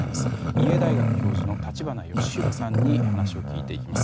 三重大学教授の立花義裕さんに話を聞いていきます。